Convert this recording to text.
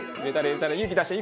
勇気出して！